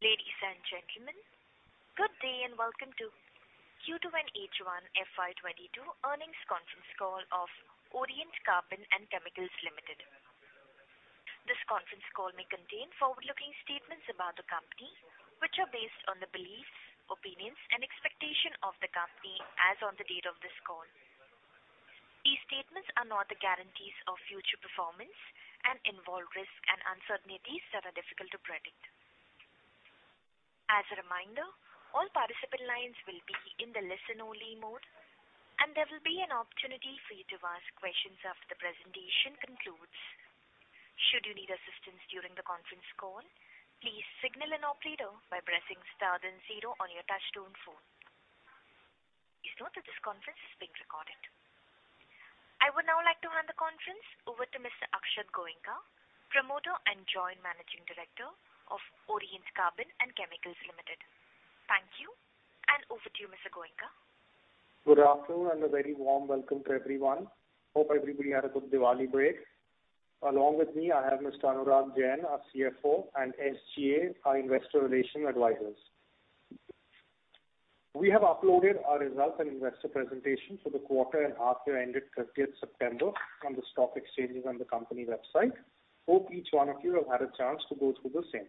Ladies and gentlemen, good day and welcome to Q2 and H1 FY 2022 earnings conference call of Oriental Carbon & Chemicals Limited. This conference call may contain forward-looking statements about the company, which are based on the beliefs, opinions, and expectation of the company as on the date of this call. These statements are not the guarantees of future performance and involve risks and uncertainties that are difficult to predict. As a reminder, all participant lines will be in the listen only mode, and there will be an opportunity for you to ask questions after the presentation concludes. Should you need assistance during the conference call, please signal an operator by pressing star then zero on your touchtone phone. Please note that this conference is being recorded. I would now like to hand the conference over to Mr. Akshat Goenka, Promoter and Joint Managing Director of Oriental Carbon and Chemicals Limited. Thank you. Over to you, Mr. Goenka. Good afternoon and a very warm welcome to everyone. Hope everybody had a good Diwali break. Along with me, I have Mr. Anurag Jain, our CFO, and SGA, our investor relation advisors. We have uploaded our results and investor presentation for the quarter and half year ended 30th September on the stock exchanges on the company website. Hope each one of you have had a chance to go through the same.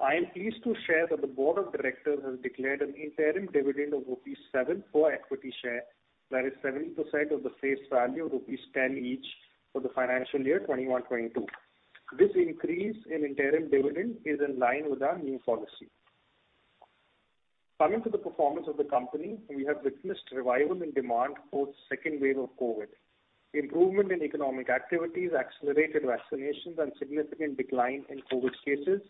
I am pleased to share that the board of directors has declared an interim dividend of rupees 7 for equity share, that is 7% of the face value of rupees 10 each for the financial year 2021-2022. This increase in interim dividend is in line with our new policy. Coming to the performance of the company, we have witnessed revival in demand post second wave of COVID. Improvement in economic activities, accelerated vaccinations, and significant decline in COVID cases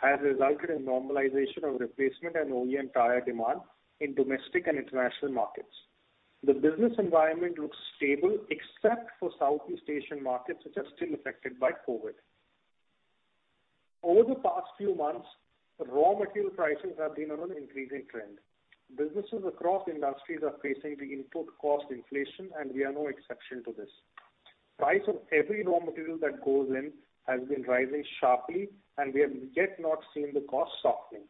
has resulted in normalization of replacement and OEM tire demand in domestic and international markets. The business environment looks stable, except for Southeast Asian markets which are still affected by COVID. Over the past few months, raw material prices have been on an increasing trend. Businesses across industries are facing the input cost inflation, and we are no exception to this. Price of every raw material that goes in has been rising sharply, and we have yet not seen the cost softening.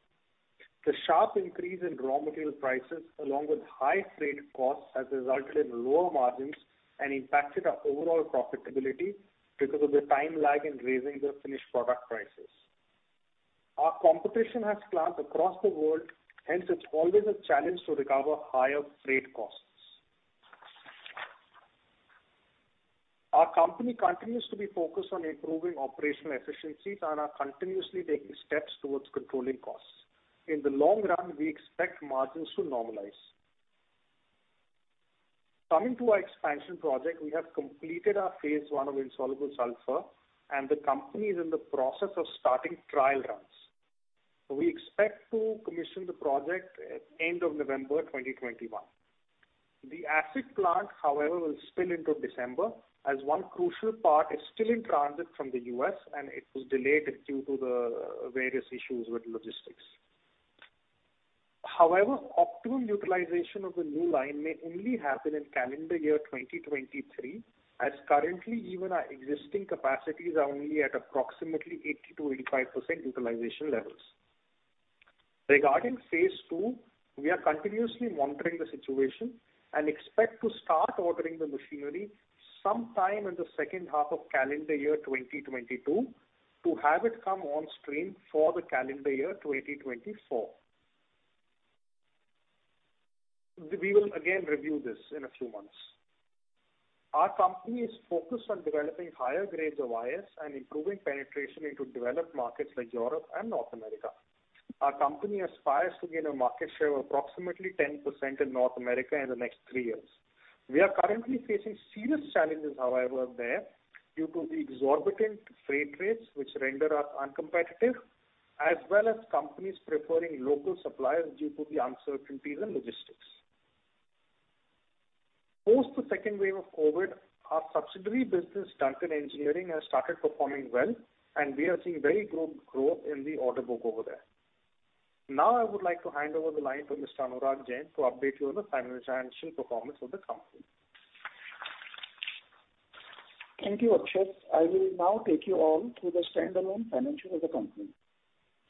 The sharp increase in raw material prices, along with high freight costs, has resulted in lower margins and impacted our overall profitability because of the time lag in raising the finished product prices. Our competition has slumped across the world, hence it's always a challenge to recover higher freight costs. Our company continues to be focused on improving operational efficiencies and are continuously taking steps towards controlling costs. In the long run, we expect margins to normalize. Coming to our expansion project, we have completed our phase one of Insoluble Sulphur. The company is in the process of starting trial runs. We expect to commission the project at end of November 2021. The acid plant, however, will spill into December as one crucial part is still in transit from the U.S. It was delayed due to the various issues with logistics. Optimum utilization of the new line may only happen in calendar year 2023, as currently even our existing capacities are only at approximately 80%-85% utilization levels. Regarding phase two, we are continuously monitoring the situation and expect to start ordering the machinery sometime in the second half of calendar year 2022 to have it come on stream for the calendar year 2024. We will again review this in a few months. Our company is focused on developing higher grades of IS and improving penetration into developed markets like Europe and North America. Our company aspires to gain a market share of approximately 10% in North America in the next 3 years. We are currently facing serious challenges, however, there due to the exorbitant freight rates which render us uncompetitive, as well as companies preferring local suppliers due to the uncertainties in logistics. Post the second wave of COVID, our subsidiary business, Duncan Engineering, has started performing well, and we are seeing very good growth in the order book over there. Now I would like to hand over the line to Mr. Anurag Jain to update you on the financial performance of the company. Thank you, Akshat. I will now take you all through the standalone financials of the company.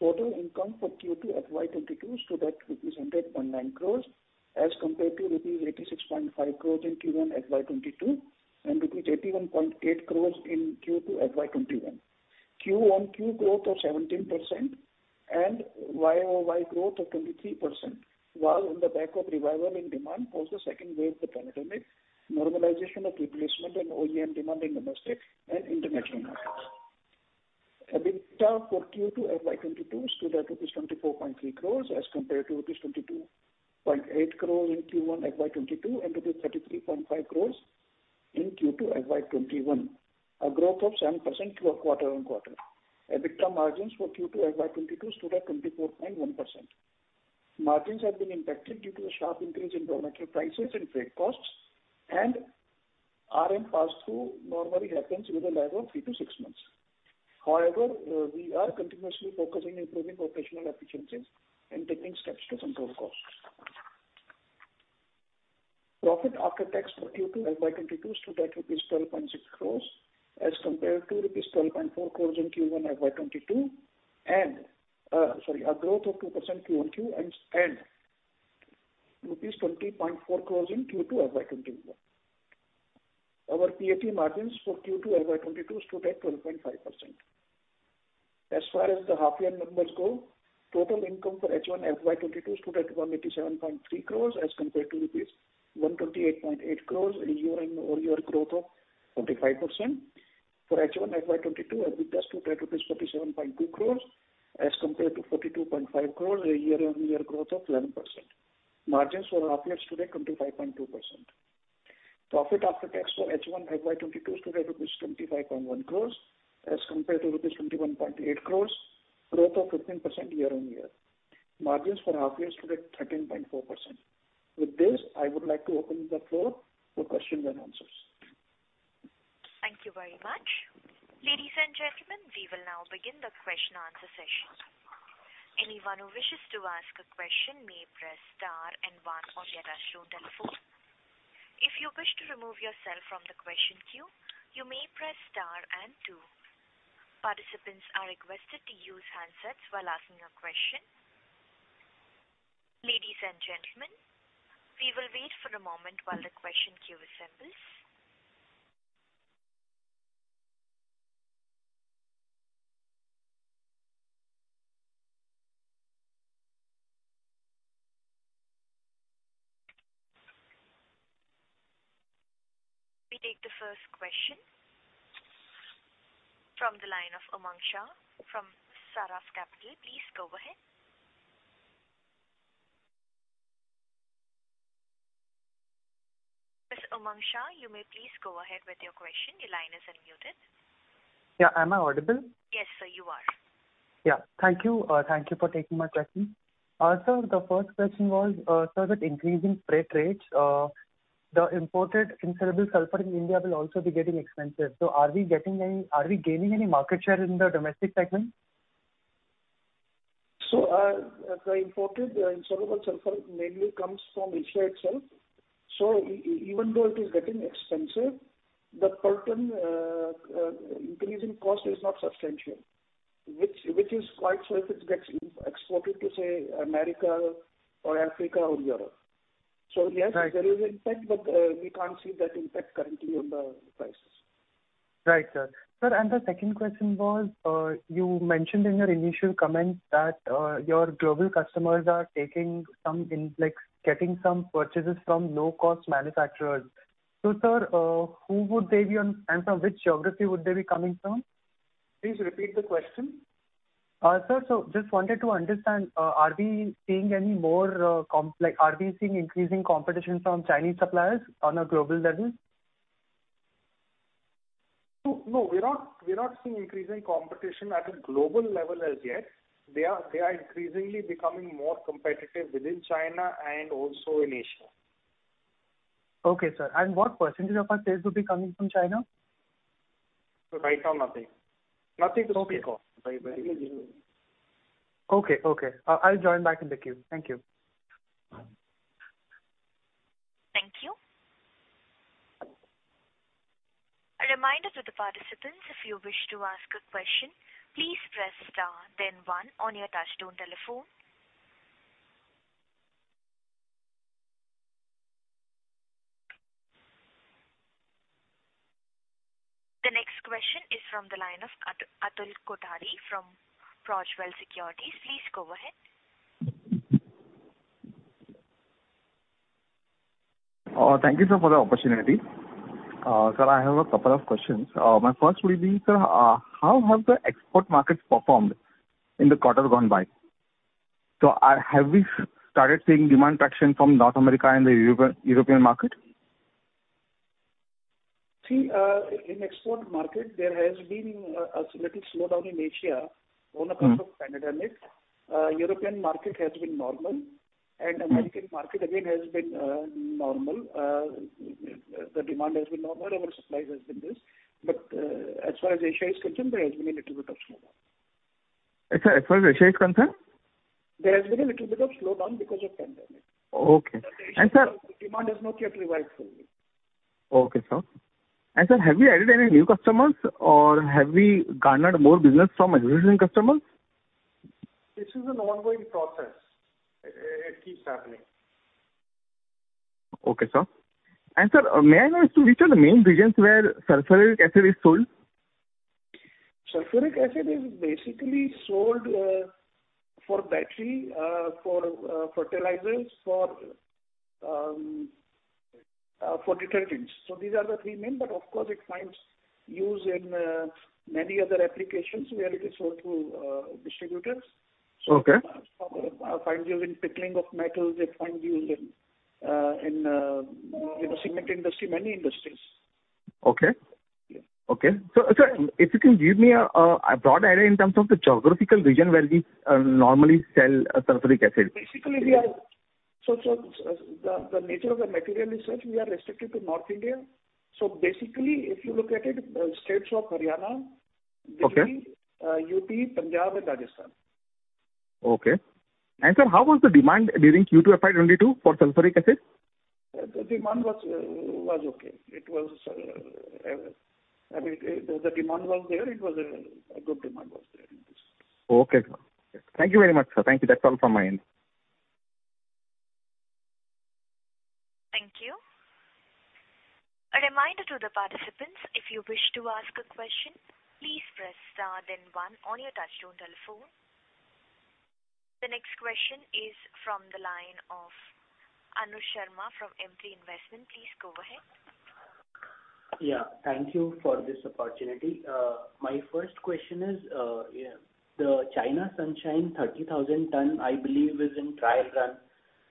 Total income for Q2 FY 2022 stood at 100.9 crores as compared to 86.5 crores in Q1 FY 2022 and 81.8 crores in Q2 FY 2021. Q-o-Q growth of 17% and Y-o-Y growth of 23%, on the back of revival in demand post the second wave of the pandemic, normalization of replacement and OEM demand in domestic and international markets. EBITDA for Q2 FY 2022 stood at rupees 24.3 crores as compared to rupees 22.8 crores in Q1 FY 2022 and rupees 33.5 crores in Q2 FY 2021, a growth of 7% quarter-on-quarter. EBITDA margins for Q2 FY 2022 stood at 24.1%. Margins have been impacted due to a sharp increase in raw material prices and freight costs, and RM pass-through normally happens with a lag of 3-6 months. However, we are continuously focusing on improving operational efficiencies and taking steps to control costs. Profit after tax for Q2 FY 2022 stood at INR 12.6 crores as compared to rupees 12.4 crores in Q1 FY 2022 and, sorry, a growth of 2% Q-o-Q and rupees 20.4 crores in Q2 FY 2021. Our PAT margins for Q2 FY 2022 stood at 12.5%. As far as the half year numbers go, total income for H1 FY 2022 stood at 187.3 crores as compared to rupees 128.8 crores, a year-on-year growth of 25%. For H1 FY 2022, EBITDA stood at 47.2 crores as compared to 42.5 crores, a year-on-year growth of 11%. Margins for half year stood at 25.2%. Profit after tax for H1 FY 2022 stood at rupees 25.1 crores as compared to rupees 21.8 crores, growth of 15% year-on-year. Margins for half year stood at 13.4%. With this, I would like to open the floor for questions and answers. Thank you very much. Ladies and gentlemen, we will now begin the question answer session. Anyone who wishes to ask a question may press star and one on your touch tone phone. If you wish to remove yourself from the question queue, you may press star and two. Participants are requested to use handsets while asking a question. Ladies and gentlemen, we will wait for a moment while the question queue assembles. We take the first question from the line of Umang Shah from Saraf Capital. Please go ahead. Mr. Umang Shah, you may please go ahead with your question. Your line is unmuted. Yeah. Am I audible? Yes, sir, you are. Yeah. Thank you. Thank you for taking my question. Sir, the first question was, sir, with increasing freight rates, the imported Insoluble Sulphur in India will also be getting expensive. Are we getting any, are we gaining any market share in the domestic segment? The imported Insoluble Sulphur mainly comes from Asia itself. Even though it is getting expensive, the per ton increasing cost is not substantial. Which is quite so if it gets exported to, say, America or Africa or Europe. Right. There is impact, but we can't see that impact currently on the prices. Right, sir. Sir, the second question was, you mentioned in your initial comments that, your global customers are taking some, like getting some purchases from low cost manufacturers. Sir, who would they be and from which geography would they be coming from? Please repeat the question. Sir, just wanted to understand, Like are we seeing increasing competition from Chinese suppliers on a global level? No, we're not seeing increasing competition at a global level as yet. They are increasingly becoming more competitive within China and also in Asia. Okay, sir. what percentage of our sales will be coming from China? Right now nothing. Nothing to speak of. Okay. Very, very minimal. Okay. Okay. I'll join back in the queue. Thank you. Thank you. A reminder to the participants, if you wish to ask a question, please press star then one on your touch tone telephone. The next question is from the line of Atul Kothari from Progwell Securities. Please go ahead. Thank you, sir, for the opportunity. Sir, I have a couple of questions. My first will be, sir, how have the export markets performed in the quarter gone by? Have we started seeing demand traction from North America and the European market? See, in export market there has been a little slowdown in Asia. Mm. On account of pandemic. European market has been normal. Mm-hmm. American market again has been normal. The demand has been normal, our supply has been less. As far as Asia is concerned, there has been a little bit of slowdown. Sir, as far as Asia is concerned? There has been a little bit of slowdown because of pandemic. Okay. Demand has not yet revived fully. Okay, sir. Sir, have we added any new customers or have we garnered more business from existing customers? This is an ongoing process. It keeps happening. Okay, sir. Sir, may I know as to which are the main regions where Sulphuric Acid is sold? Sulphuric acid is basically sold for battery, for fertilizers, for detergents. These are the three main, but of course it finds use in many other applications where it is sold through distributors. Okay. It finds use in pickling of metals. It finds use in the cement industry, many industries. Okay. Yeah. Okay. sir, if you can give me a broad idea in terms of the geographical region where we normally sell Sulphuric Acid. The nature of the material is such we are restricted to North India. Basically if you look at it, states of Haryana- Okay. Bihar, UP, Punjab and Rajasthan. Okay. Sir, how was the demand during Q2 FY 2022 for Sulphuric Acid? The demand was okay. It was, I mean, the demand was there. It was a good demand was there in this. Okay, sir. Thank you very much, sir. Thank you. That's all from my end. Thank you. The next question is from the line of Anuj Sharma from Emkay Investment. Please go ahead. Thank you for this opportunity. My first question is, the China Sunsine 30,000 tons, I believe is in trial run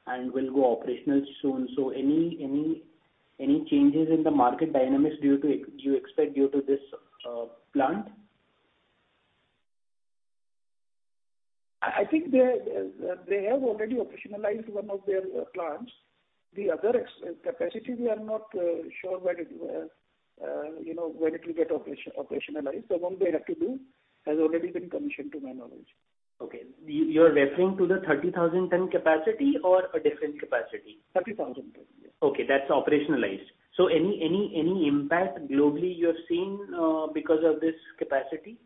and will go operational soon. Any changes in the market dynamics do you expect due to this plant? I think they have already operationalized one of their plants. The other capacity we are not sure when it, you know, when it will get operationalized. The one they had to do has already been commissioned to my knowledge. Okay. You're referring to the 30,000 ton capacity or a different capacity? 30,000 tons, yes. Okay, that's operationalized. Any impact globally you have seen because of this capacity?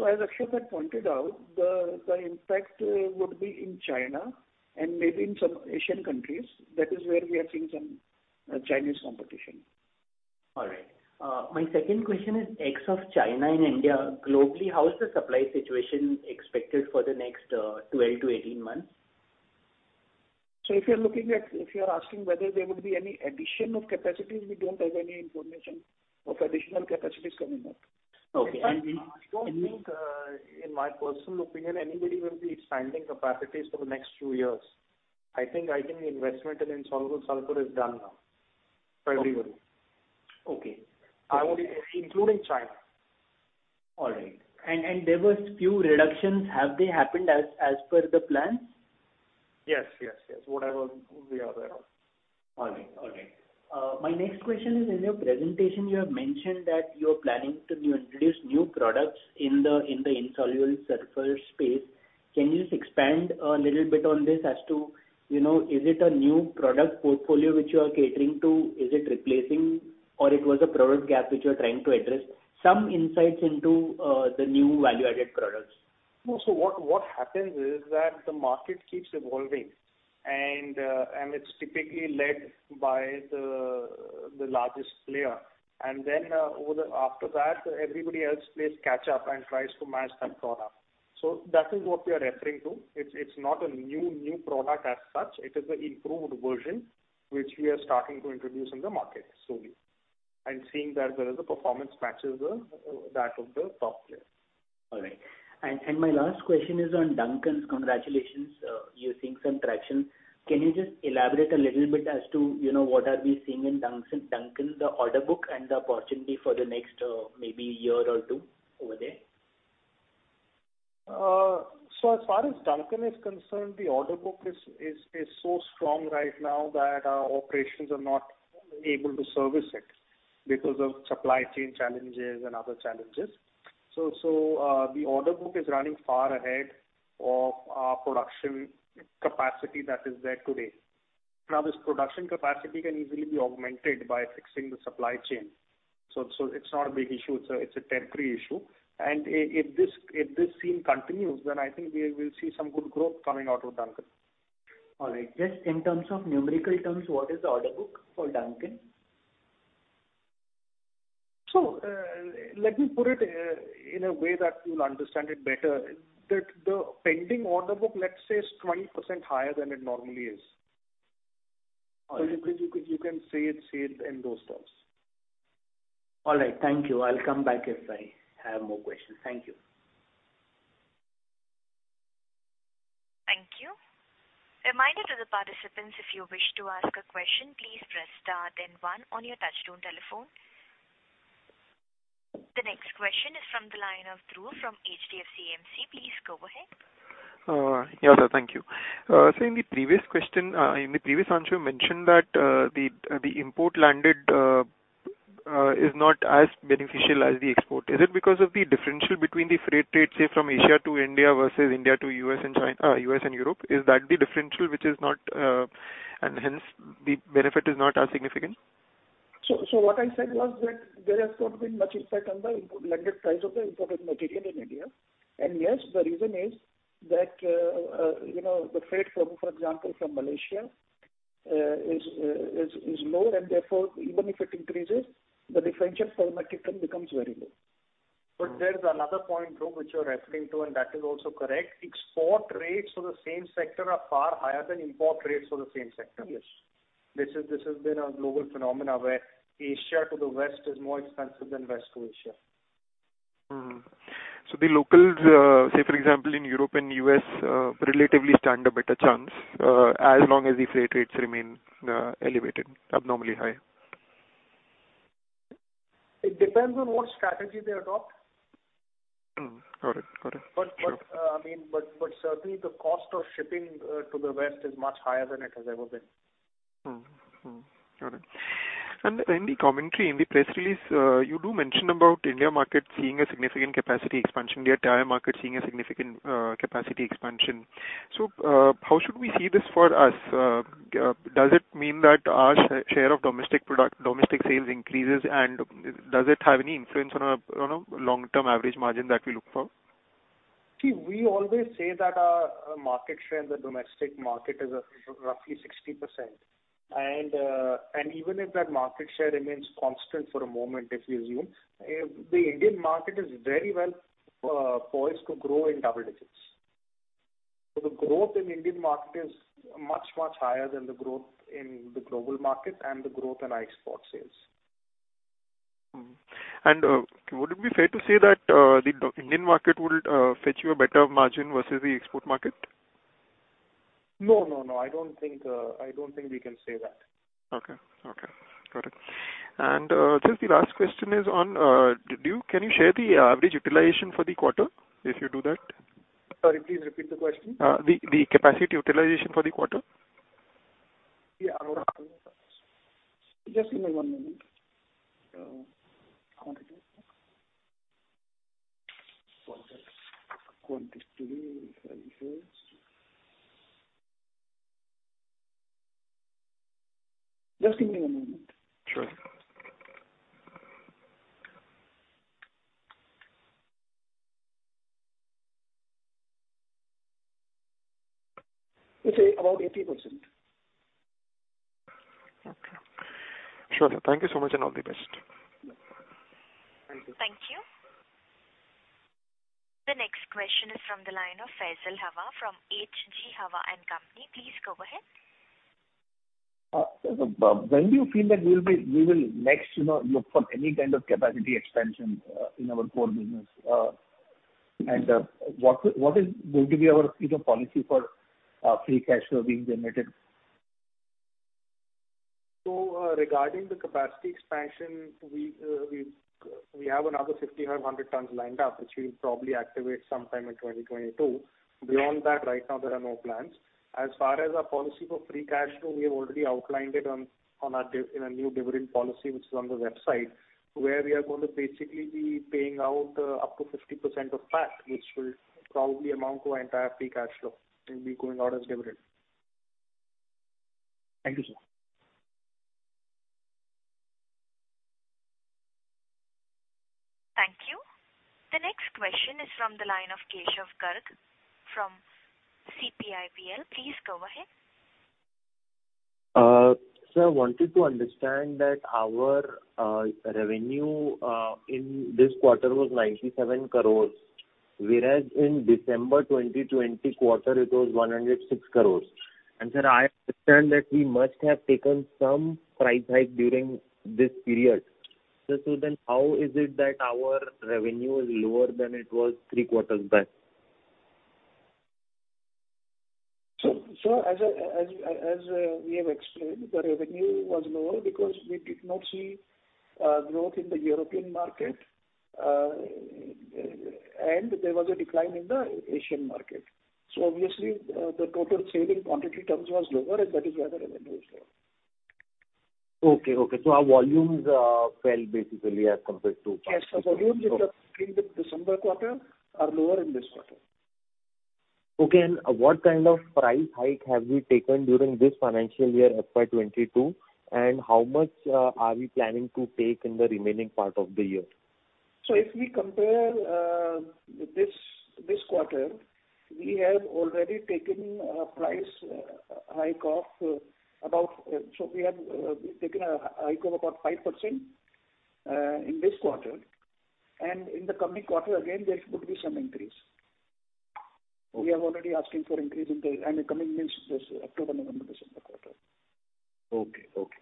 As Akshat Goenka had pointed out, the impact would be in China and maybe in some Asian countries. That is where we are seeing some Chinese competition. All right. My second question is ex of China and India, globally, how is the supply situation expected for the next 12 to 18 months? If you are asking whether there would be any addition of capacities, we don't have any information of additional capacities coming up. Okay. I don't think, in my personal opinion, anybody will be expanding capacities for the next two years. I think the investment in Insoluble Sulphur is done now for everybody. Okay. Including China. All right. There was few reductions. Have they happened as per the plans? Yes, yes. Whatever we are aware of. All right. All right. My next question is in your presentation you have mentioned that you're planning to introduce new products in the Insoluble Sulphur space. Can you just expand a little bit on this as to, you know, is it a new product portfolio which you are catering to? Is it replacing or it was a product gap which you're trying to address? Some insights into the new value-added products. No. What happens is that the market keeps evolving and it's typically led by the largest player. Then, after that, everybody else plays catch up and tries to match that product. That is what we are referring to. It's not a new product as such. It is a improved version which we are starting to introduce in the market slowly and seeing that whether the performance matches that of the top player. All right. My last question is on Duncan's. Congratulations, you're seeing some traction. Can you just elaborate a little bit as to, you know, what are we seeing in Duncan, the order book and the opportunity for the next year or two over there? As far as Duncan is concerned, the order book is so strong right now that our operations are not able to service it because of supply chain challenges and other challenges. The order book is running far ahead of our production capacity that is there today. Now, this production capacity can easily be augmented by fixing the supply chain. It's not a big issue. It's a temporary issue. If this theme continues, then I think we will see some good growth coming out of Duncan. All right. Just in terms of numerical terms, what is the order book for Duncan? Let me put it in a way that you'll understand it better. The pending order book, let's say, is 20% higher than it normally is. All right. You can say it in those terms. All right. Thank you. I'll come back if I have more questions. Thank you. Thank you. A reminder to the participants, if you wish to ask a question, please press star then one on your touchtone telephone. The next question is from the line of Dhruv from HDFC AMC. Please go ahead. Yeah, sir. Thank you. In the previous question, in the previous answer you mentioned that the import landed is not as beneficial as the export. Is it because of the differential between the freight rates, say from Asia to India versus India to U.S. and China, U.S. and Europe? Is that the differential which is not, and hence the benefit is not as significant? What I said was that there has not been much effect on the import landed price of the imported material in India. Yes, the reason is that, you know, the freight from, for example from Malaysia, is low and therefore even if it increases, the differential for the material becomes very low. There's another point, Dhruv, which you're referring to and that is also correct. Export rates for the same sector are far higher than import rates for the same sector. Yes. This has been a global phenomenon where Asia to the West is more expensive than West to Asia. The locals, say for example in Europe and U.S., relatively stand a better chance, as long as the freight rates remain elevated abnormally high. It depends on what strategy they adopt. Mm-hmm. Got it. Got it. Sure. I mean, certainly the cost of shipping to the West is much higher than it has ever been. Got it. In the commentary, in the press release, you do mention about India market seeing a significant capacity expansion, the entire market seeing a significant capacity expansion. How should we see this for us? Does it mean that our share of domestic product, domestic sales increases, and does it have any influence on our long-term average margin that we look for? See, we always say that our market share in the domestic market is roughly 60%. Even if that market share remains constant for a moment, if you assume, the Indian market is very well poised to grow in double digits. The growth in Indian market is much, much higher than the growth in the global market and the growth in our export sales. Would it be fair to say that the Indian market will fetch you a better margin versus the export market? No, no, I don't think, I don't think we can say that. Okay. Okay. Got it. Just the last question is on, can you share the average utilization for the quarter, if you do that? Sorry, please repeat the question. The capacity utilization for the quarter. Yeah. Just give me 1 minute. Just give me a moment. Sure. It's about 80%. Okay. Sure. Thank you so much. All the best. Thank you. Thank you. The next question is from the line of Faisal Hawa from H.G. Hawa & Co. Please go ahead. When do you feel that we will next, you know, look for any kind of capacity expansion in our core business? What is going to be our, you know, policy for free cash flow being generated? Regarding the capacity expansion, we have another 5,500 tons lined up, which we'll probably activate sometime in 2022. Beyond that, right now there are no plans. As far as our policy for free cash flow, we have already outlined it in our new dividend policy, which is on the website, where we are going to basically be paying out up to 50% of PAT, which will probably amount to our entire free cash flow. It will be going out as dividend. Thank you, sir. Thank you. The next question is from the line of Keshav Garg from CCIPL. Please go ahead. Sir, I wanted to understand that our revenue in this quarter was 97 crores, whereas in December 2020 quarter it was 106 crores. Sir, I understand that we must have taken some price hike during this period. How is it that our revenue is lower than it was three quarters back? As I, as we have explained, the revenue was lower because we did not see growth in the European market, and there was a decline in the Asian market. Obviously, the total sales in quantity terms was lower, and that is why the revenue is lower. Okay, okay. Our volumes fell basically as compared to past volumes. Yes. The volumes which are in the December quarter are lower in this quarter. Okay. What kind of price hike have we taken during this financial year, FY 2022? How much are we planning to take in the remaining part of the year? We have taken a hike of about 5% in this quarter. In the coming quarter, again, there could be some increase. We are already asking for increase in the, and it comes in this October, November, December quarter. Okay. Okay.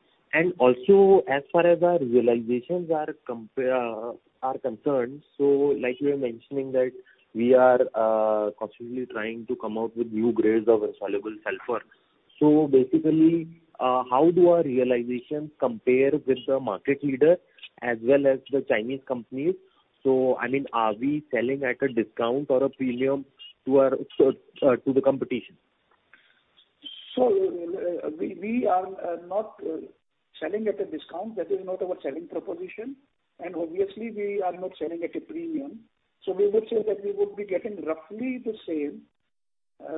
As far as our realizations are concerned, like you were mentioning that we are constantly trying to come out with new grades of Insoluble Sulphur. Basically, how do our realizations compare with the market leader as well as the Chinese companies? I mean, are we selling at a discount or a premium to our to the competition? We are not selling at a discount. That is not our selling proposition. Obviously we are not selling at a premium. We would say that we would be getting roughly the same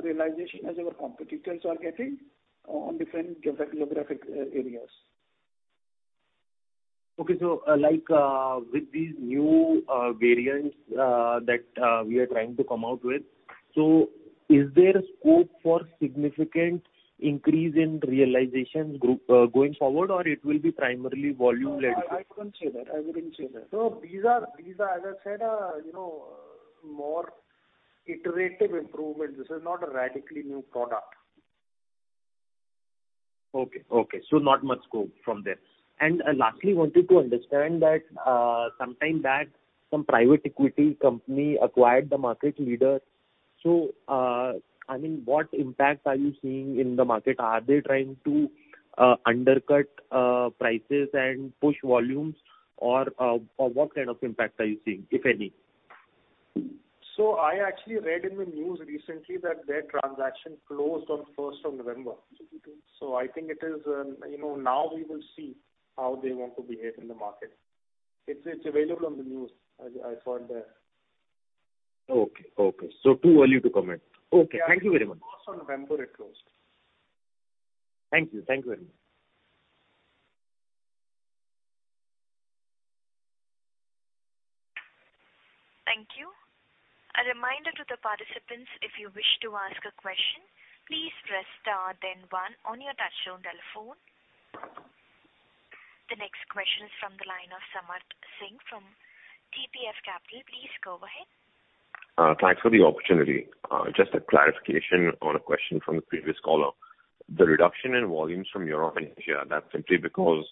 realization as our competitors are getting on different geographic areas. Okay. Like, with these new variants, that we are trying to come out with. Is there scope for significant increase in realizations going forward, or it will be primarily volume led? No, I wouldn't say that. I wouldn't say that. No. These are, as I said, you know, more iterative improvements. This is not a radically new product. Okay. Okay. Not much scope from there. Lastly, wanted to understand that, sometime back some private equity company acquired the market leader. I mean, what impact are you seeing in the market? Are they trying to undercut prices and push volumes? Or, or what kind of impact are you seeing, if any? I actually read in the news recently that their transaction closed on first of November. I think it is, you know, now we will see how they want to behave in the market. It's available on the news. I thought that. Okay. Okay. Too early to comment. Okay. Thank you very much. Yeah. First of November it closed. Thank you. Thank you very much. Thank you. The next question is from the line of Samarth Singh from TPF Capital. Please go ahead. Thanks for the opportunity. Just a clarification on a question from the previous caller. The reduction in volumes from Europe and Asia, that's simply because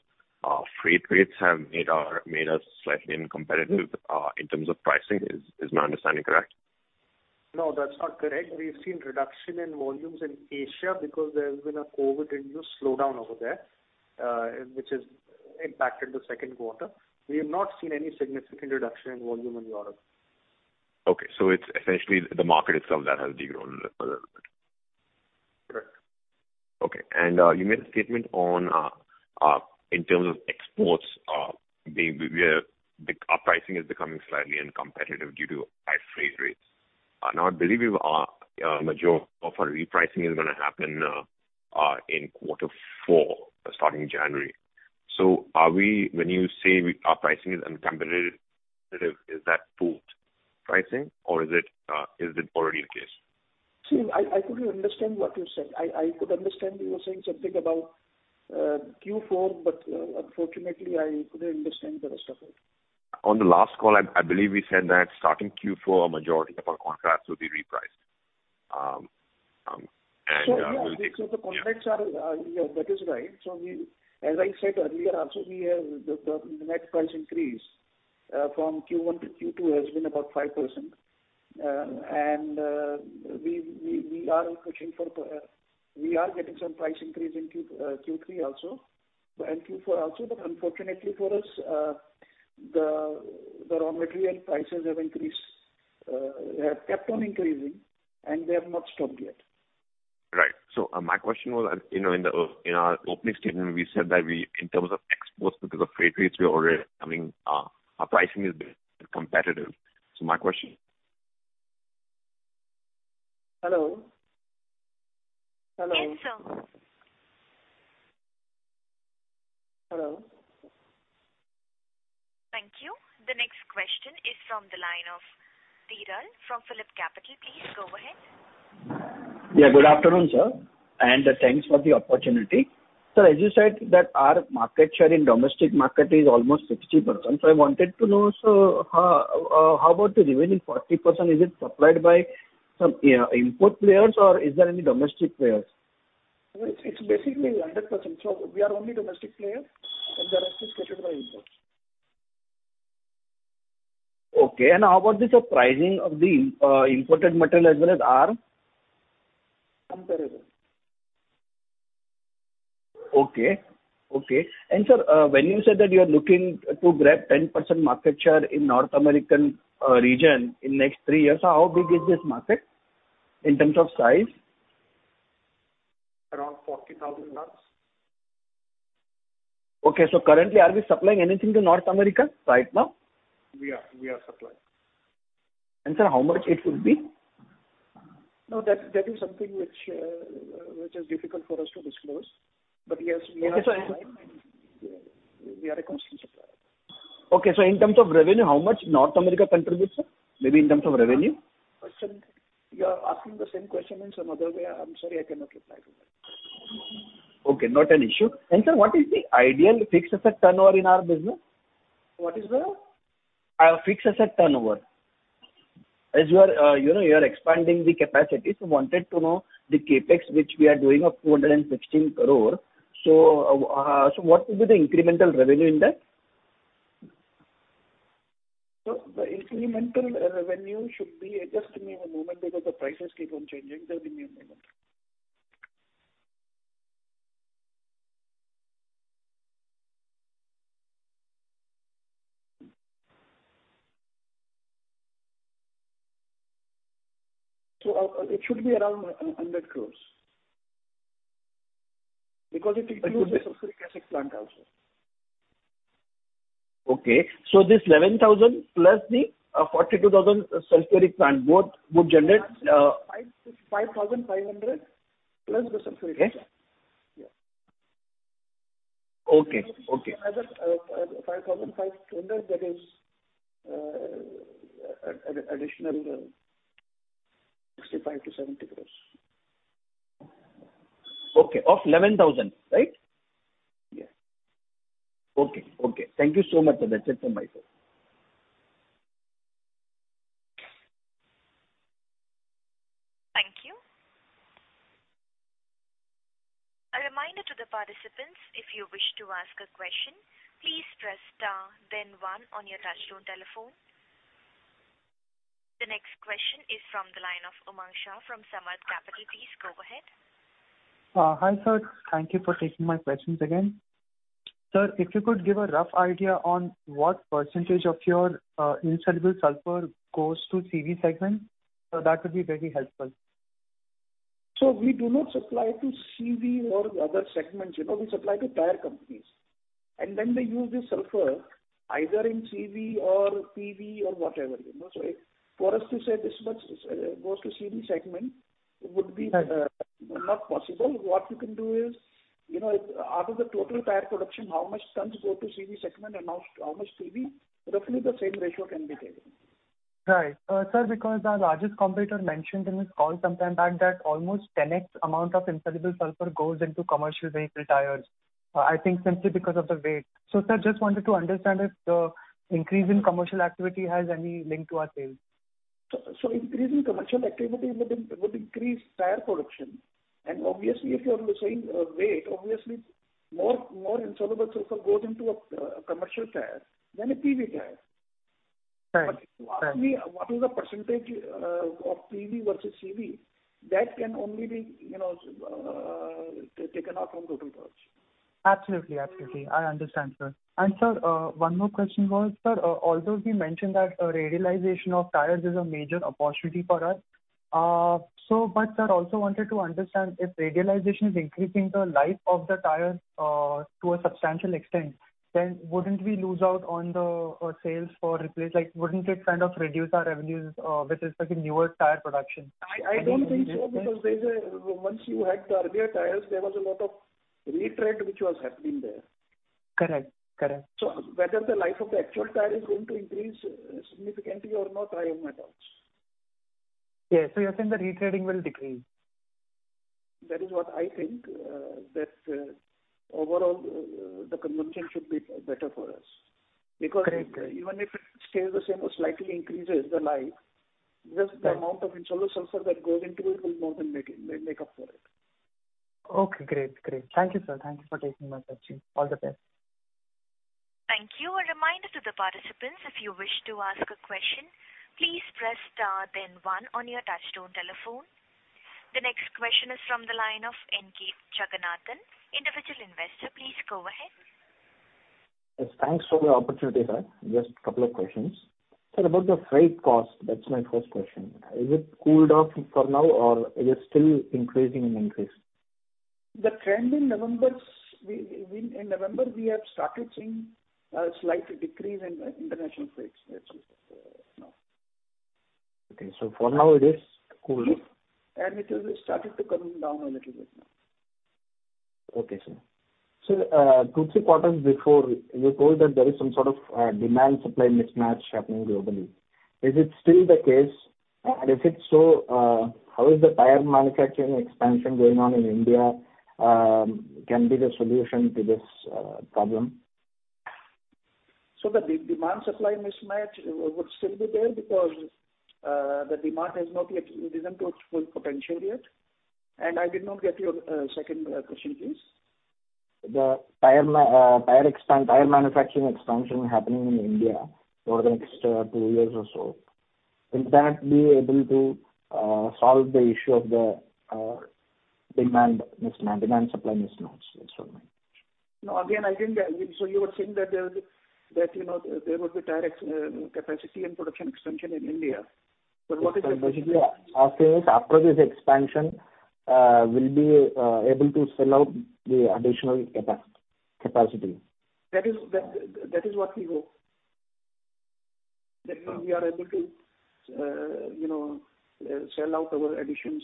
freight rates have made us slightly uncompetitive in terms of pricing. Is my understanding correct? No, that's not correct. We've seen reduction in volumes in Asia because there's been a COVID-induced slowdown over there, which has impacted the second quarter. We have not seen any significant reduction in volume in Europe. Okay. It's essentially the market itself that has de-grown a little bit. Correct. Okay. You made a statement on, in terms of exports. Our pricing is becoming slightly uncompetitive due to high freight rates. Now I believe you've, majority of our repricing is gonna happen, in quarter four, starting January. When you say our pricing is uncompetitive, is that full pricing or is it, is it already the case? See, I couldn't understand what you said. I could understand you were saying something about Q4, but unfortunately I couldn't understand the rest of it. On the last call, I believe we said that starting Q4, a majority of our contracts will be repriced. Yeah. The contracts are. Yeah, that is right. As I said earlier also, we have the net price increase from Q1 to Q2 has been about 5%. We are getting some price increase in Q3 also, and Q4 also. Unfortunately for us, the raw material prices have increased, have kept on increasing, and they have not stopped yet. Right. my question was, you know, in the, in our opening statement, we said that we, in terms of exports because of freight rates, we are already becoming, our pricing is becoming uncompetitive. my question. Hello? Hello? Yes, sir. Hello? Thank you. The next question is from the line of Viral Sarvaiya from PhillipCapital. Please go ahead. Yeah, good afternoon, sir, and thanks for the opportunity. Sir, as you said that our market share in domestic market is almost 60%. I wanted to know, so how about the remaining 40%? Is it supplied by some import players or is there any domestic players? It's basically 100%. We are only domestic player, and the rest is catered by imports. Okay. How about the, sir, pricing of the imported material as well as our? Comparable. Okay. Okay. Sir, when you said that you are looking to grab 10% market share in North American region in next 3 years, how big is this market in terms of size? Around 40,000 tons. Okay. currently are we supplying anything to North America right now? We are. We are supplying. Sir, how much it would be? No, that is something which is difficult for us to disclose. Yes, we are supplying and we are a constant supplier. Okay. In terms of revenue, how much North America contributes, sir? Maybe in terms of revenue. Sir, you are asking the same question in some other way. I'm sorry, I cannot reply to that. Okay, not an issue. Sir, what is the ideal fixed asset turnover in our business? What is the? Fixed asset turnover. You are, you know, you are expanding the capacity, wanted to know the CapEx which we are doing of 416 crore. What will be the incremental revenue in that? Sir, the incremental revenue should be. Just give me a moment because the prices keep on changing. Bear with me a moment. It should be around 100 crores. Because it includes the Sulphuric Acid plant also. Okay. this 11,000 plus the 42,000 sulfuric plant both generate 5,500 plus the Sulphuric plant. Okay. Yeah. Okay. Okay. As a, INR 5,500, that is, add additional INR 65-70 crores. Okay. Of 11,000, right? Yeah. Okay. Okay. Thank you so much, sir. That's it from my side. Thank you. The next question is from the line of Umang Shah from Saraf Capital. Please go ahead. Hi, sir. Thank you for taking my questions again. Sir, if you could give a rough idea on what percentage of your Insoluble Sulphur goes to CV segment, that would be very helpful. We do not supply to CV or other segments, you know, we supply to tire companies. Then they use the sulfur either in CV or PV or whatever, you know. For us to say this much goes to CV segment would be. Right. Not possible. What you can do is, you know, out of the total tire production, how much tons go to CV segment and how much to PV, roughly the same ratio can be taken. Right. sir, because our largest competitor mentioned in this call some time back that almost 10X amount of Insoluble Sulphur goes into commercial vehicle tires. I think simply because of the weight. sir, just wanted to understand if the increase in commercial activity has any link to our sales. Increase in commercial activity would increase tire production. Obviously, if you are saying, weight, obviously more Insoluble Sulphur goes into a commercial tire than a PV tire. Right. Right. To ask me what is the %, of PV versus CV, that can only be, you know, taken out from total purchase. Absolutely. Absolutely. I understand, sir. Sir, one more question was, sir, although we mentioned that, radialization of tires is a major opportunity for us, sir, also wanted to understand if radialization is increasing the life of the tires to a substantial extent, then wouldn't we lose out on the sales for replace. Like, wouldn't it kind of reduce our revenues with respect to newer tire production? I don't think so because once you had the radial tires, there was a lot of retread which was happening there. Correct. Correct. Whether the life of the actual tire is going to increase significantly or not, I have my doubts. Yeah. You're saying the retreading will decrease? That is what I think. That overall the consumption should be better for us. Correct. Correct. Even if it stays the same or slightly increases the life- Right. just the amount of Insoluble Sulphur that goes into it will more than make up for it. Okay, great. Great. Thank you, sir. Thank you for taking my questions. All the best. Thank you. A reminder to the participants, if you wish to ask a question, please press star then one on your touchtone telephone. The next question is from the line of N.K. Jagannathan, individual investor. Please go ahead. Yes, thanks for the opportunity, sir. Just couple of questions. Sir, about the freight cost, that's my first question. Is it cooled off for now or is it still increasing in interest? The trend in November, In November we have started seeing a slight decrease in international freights. That's it for now. Okay. For now it is cooled. Yes. It has started to come down a little bit now. Okay, sir. Sir, two, three quarters before, you told that there is some sort of demand supply mismatch happening globally. Is it still the case? If it's so, how is the tire manufacturing expansion going on in India, can be the solution to this problem? The demand supply mismatch would still be there because the demand has not yet risen to its full potential yet. I did not get your second question, please. The tire manufacturing expansion happening in India for the next two years or so, will that be able to solve the issue of the demand supply mismatch issue? No, again, I didn't get. You were saying that there would, you know, there would be tire ex- capacity and production expansion in India. What is the question? Basically, asking is after this expansion, we'll be able to sell out the additional capacity. That is, that is what we hope. Okay. That we are able to, you know, sell out our additions,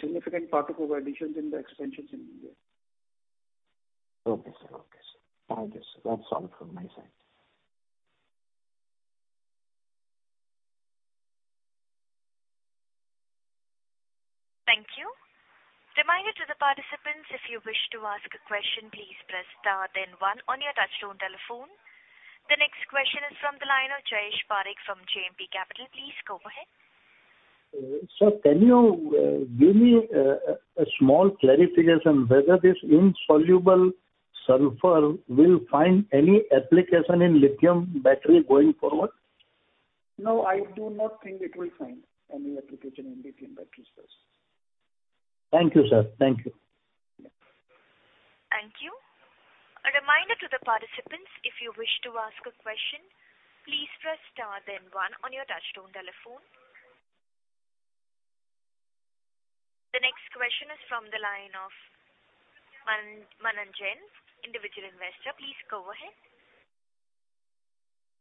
significant part of our additions in the expansions in India. Okay, sir. Okay, sir. Thank you, sir. That's all from my side. Thank you. Reminder to the participants, if you wish to ask a question, please press star then one on your touchtone telephone. The next question is from the line of Jayesh Parekh from JMP Capital. Please go ahead. Sir, can you give me a small clarification whether this Insoluble Sulphur will find any application in lithium battery going forward? No, I do not think it will find any application in lithium battery cells. Thank you, sir. Thank you. Thank you. The next question is from the line of Mananjan, individual investor. Please go ahead.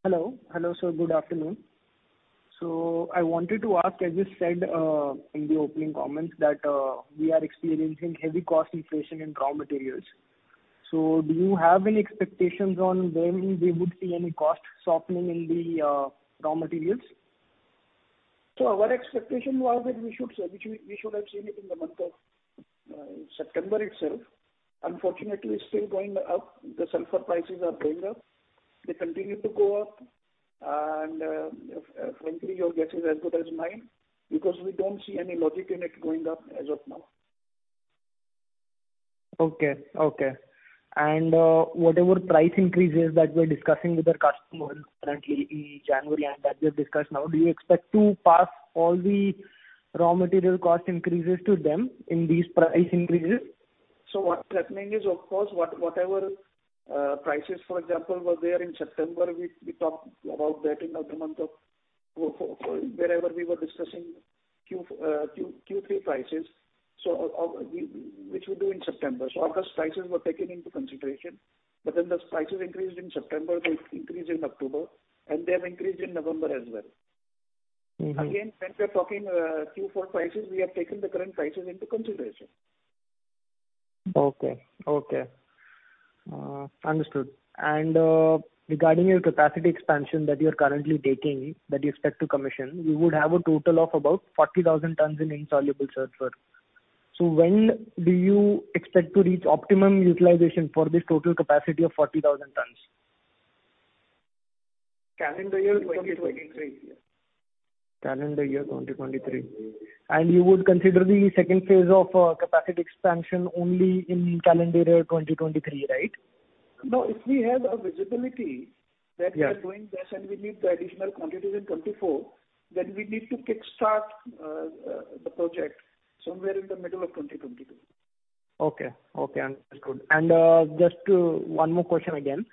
Hello. Hello, sir. Good afternoon. I wanted to ask, as you said, in the opening comments that we are experiencing heavy cost inflation in raw materials. Do you have any expectations on when we would see any cost softening in the raw materials? Our expectation was that we should have seen it in the month of September itself. Unfortunately, it's still going up. The Sulphur prices are going up. They continue to go up. Frankly, your guess is as good as mine, because we don't see any logic in it going up as of now. Okay. Okay. Whatever price increases that we're discussing with our customers currently in January and that we have discussed now, do you expect to pass all the raw material cost increases to them in these price increases? What's happening is, of course, whatever prices, for example, were there in September, we talked about that in the month of October, wherever we were discussing Q3 prices, which we do in September. August prices were taken into consideration, but then the prices increased in September, they increased in October, and they have increased in November as well. Mm-hmm. Again, when we are talking, Q4 prices, we have taken the current prices into consideration. Okay. Okay. understood. regarding your capacity expansion that you're currently taking, that you expect to commission, you would have a total of about 40,000 tons in Insoluble Sulphur. When do you expect to reach optimum utilization for this total capacity of 40,000 tons? Calendar year 2023. Calendar year 2023. You would consider the second phase of capacity expansion only in calendar year 2023, right? No. If we have a visibility. Yes. That we are doing this and we need the additional quantities in 2024, then we need to kick-start the project somewhere in the middle of 2022. Okay. Okay. Understood. just one more question again.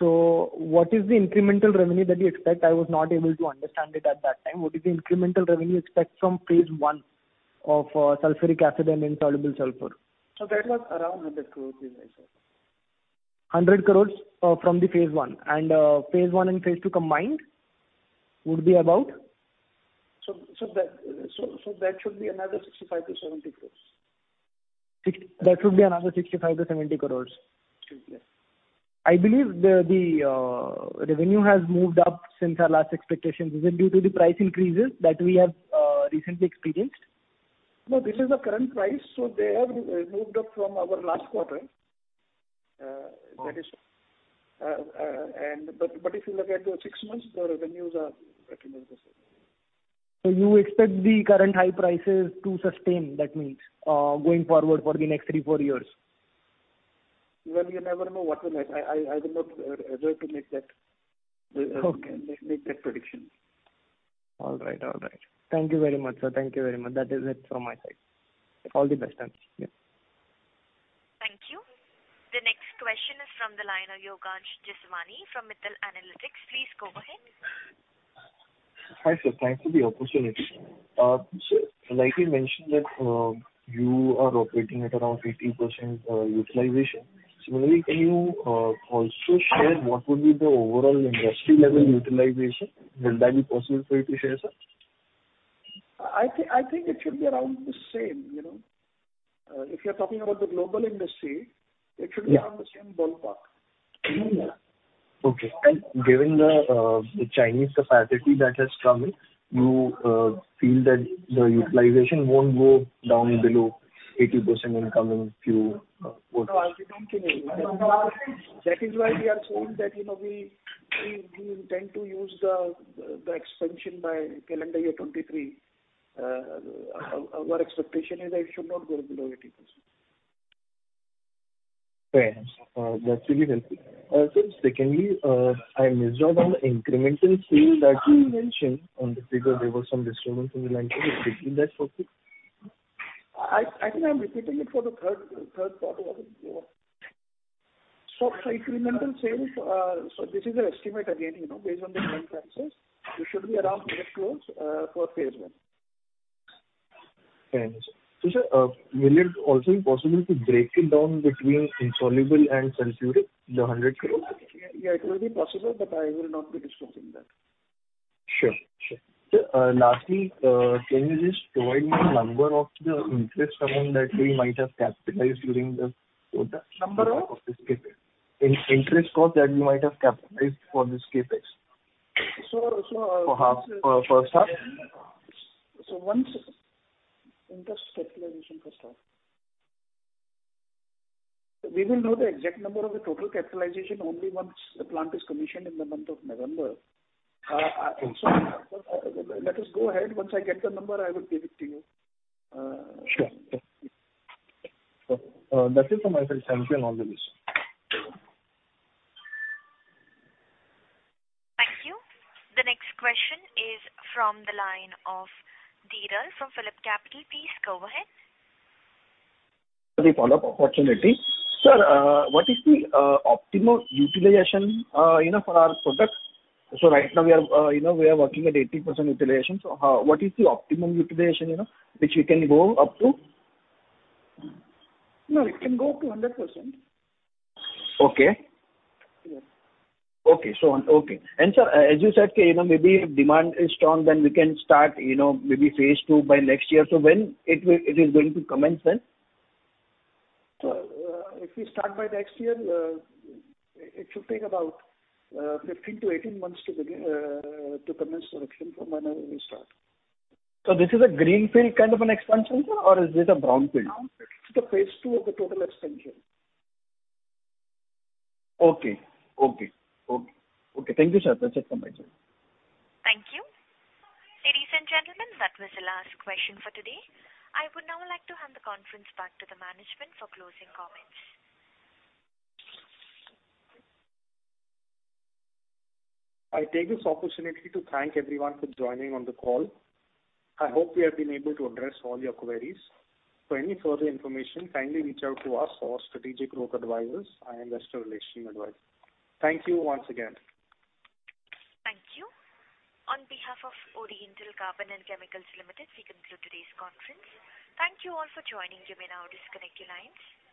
What is the incremental revenue that you expect? I was not able to understand it at that time. What is the incremental revenue you expect from phase one of Sulphuric Acid and Insoluble Sulphur? That was around 100 crores as I said. 100 crores from the phase one. Phase one and phase two combined would be about? That should be another 65 crores-70 crores. That should be another 65-70 crores. Should be, yes. I believe the revenue has moved up since our last expectations. Is it due to the price increases that we have recently experienced? No. This is the current price, so they have moved up from our last quarter. Oh. -that is. If you look at the six months, the revenues are pretty much the same. you expect the current high prices to sustain, that means, going forward for the next three, four years? Well, you never know what will happen. I will not ever. Okay. make that prediction. All right. Thank you very much, sir. Thank you very much. That is it from my side. All the best. Yeah. Thank you. The next question is from the line of Yogansh Jeswani from Mittal Analytics. Please go ahead. Hi, sir. Thanks for the opportunity. sir, like you mentioned that, you are operating at around 80% utilization. Maybe can you also share what would be the overall industry level utilization? Will that be possible for you to share, sir? I think it should be around the same, you know. If you're talking about the global industry. Yeah. -it should be around the same ballpark. Yeah. Okay. Given the Chinese capacity that has come in, you feel that the utilization won't go down below 80% in coming few quarters? No, I don't think so. That is why we are saying that, you know, we intend to use the expansion by calendar year 2023. Our expectation is that it should not go below 80%. Fair. That's really helpful. Sir, secondly, I missed out on the incremental sales that you mentioned on the figure. There were some disturbance in the line. Could you repeat that for me, please? I think I'm repeating it for the third quarter of the year. For incremental sales, this is an estimate again, you know, based on the current prices. It should be around INR 100 crores for phase 1. Thanks. Sir, will it also be possible to break it down between insoluble and sulfuric, the 100 crore? Yeah, it will be possible, but I will not be disclosing that. Sure. Sure. Sir, lastly, can you just provide me number of the interest amount that we might have capitalized during the quarter? Number of? Of the CapEx, interest cost that you might have capitalized for this CapEx. So, so, uh- For half, for half. One second. Interest capitalization for half. We will know the exact number of the total capitalization only once the plant is commissioned in the month of November. Let us go ahead. Once I get the number, I will give it to you. Sure. Sure. That's it from my side. Thank you and all the best. Thank you. The next question is from the line of Viral from PhillipCapital. Please go ahead. The follow-up opportunity. Sir, what is the optimal utilization, you know, for our product? Right now we are, you know, we are working at 80% utilization. How, what is the optimum utilization, you know, which we can go up to? No, it can go up to 100%. Okay. Yes. Okay. So, okay. Sir, as you said, you know, maybe if demand is strong then we can start, you know, maybe phase two by next year. When it will, it is going to commence then? If we start by next year, it should take about 15 to 18 months to begin to commence production from whenever we start. This is a greenfield kind of an expansion or is it a brownfield? Brownfield. It's the phase two of the total expansion. Okay. Okay. Okay. Okay. Thank you, sir. That's it from my side. Thank you. Ladies and gentlemen, that was the last question for today. I would now like to hand the conference back to the management for closing comments. I take this opportunity to thank everyone for joining on the call. I hope we have been able to address all your queries. For any further information, kindly reach out to us or Strategic Growth Advisors and investor relation advisor. Thank you once again. Thank you. On behalf of Oriental Carbon and Chemicals Limited, we conclude today's conference. Thank you all for joining. You may now disconnect your lines.